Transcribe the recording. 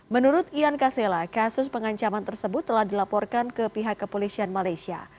menurut ian kasela kasus pengancaman tersebut telah dilaporkan ke pihak kepolisian malaysia